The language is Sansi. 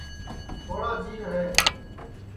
تھواڑا جیو ہے